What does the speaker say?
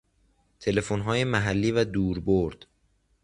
تلفنهای محلی و دور برد